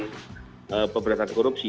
dan pemberantasan korupsi